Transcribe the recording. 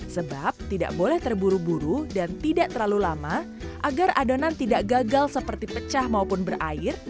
sebab tidak boleh terburu buru dan tidak terlalu lama agar adonan tidak gagal seperti pecah maupun berair